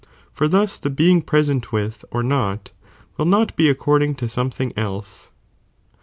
budi for thus the being present with or not, will not be '^"■ according to something else.